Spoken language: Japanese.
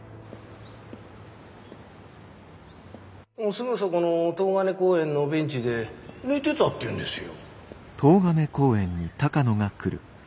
すぐそこの東金公園のベンチで寝てたって言うんですよ。